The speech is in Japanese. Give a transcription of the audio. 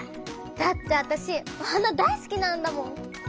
だってあたしお花大すきなんだもん！